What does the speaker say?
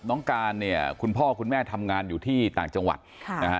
น้องการเนี่ยคุณพ่อคุณแม่ทำงานอยู่ที่ต่างจังหวัดค่ะนะฮะ